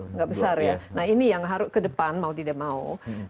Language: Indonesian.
nggak besar ya nah ini yang harus ke depan mau tidak mau